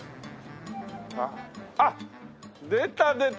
あっ出た出た！